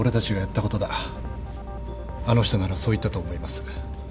あの人ならそう言ったと思います。